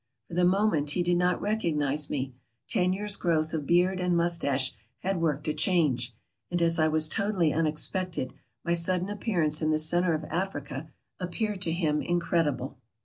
For the moment he did not recognize me ; ten years' growth of beard and mustache had worked a change ; and as I was totally un expected, my sudden appearance in the center of Africa appeared to him incredible.